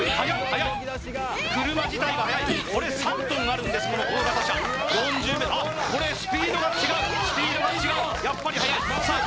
はやい車自体がはやいこれ３ｔあるんですこの大型車あっこれスピードが違うスピードが違うやっぱりはやいさあ